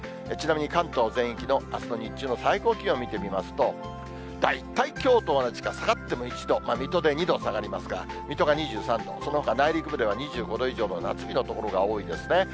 ちなみに関東全域のあすの日中の最高気温見てみますと、大体きょうと同じか、下がっても１度、水戸で２度下がりますが、水戸が２３度、そのほか内陸が２５度以上の夏日の所が多いですね。